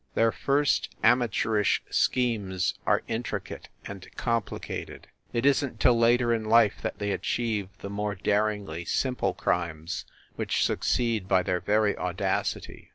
Their first, amateurish schemes are intricate and complicated. It isn t till later in life that they achieve the more daringly simple crimes which succeed by their very audacity.